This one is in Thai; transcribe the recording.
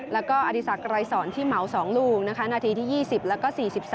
แล้วก็อดีศักดรายสอนที่เหมา๒ลูกนะคะนาทีที่๒๐แล้วก็๔๓